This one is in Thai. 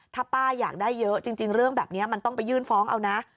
ถ้าป้าอยากได้เยอะจริงเรื่องแบบนี้มันต้องไปยื่นฟ้องเอานะ